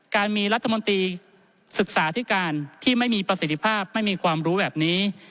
การมีรัฐมนตรีศึกษาที่การที่ไม่มีประสิทธิภาพไม่มีความรู้แบบนี้